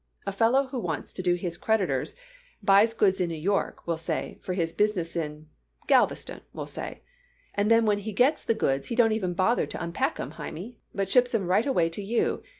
A fellow what wants to do his creditors buys goods in New York, we'll say, for his business in Galveston, we'll say, and then when he gets the goods he don't even bother to unpack 'em, Hymie, but ships 'em right away to you.